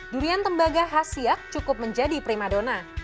durian tembaga khas siak cukup menjadi prima dona